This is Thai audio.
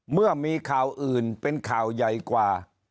เมื่อมีข่าวอื่นเป็นข่าวใหญ่กว่า